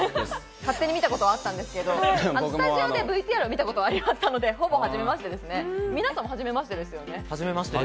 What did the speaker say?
勝手に見たことはあったんですけど、スタジオでＶＴＲを見たことはあったんですが、皆さんもはじめましてですよね。